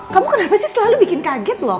kamu kenapa sih selalu bikin kaget loh